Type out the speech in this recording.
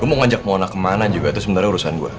gue mau ngajak mona kemana juga itu sebenernya urusan gue